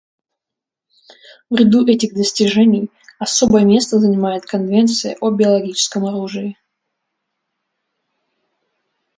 В ряду этих достижений особое место занимает Конвенция о биологическом оружии.